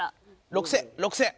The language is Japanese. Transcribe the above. ６０００６０００。